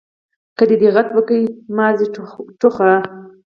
که دي دېغت وکئ ماضي ټوخه.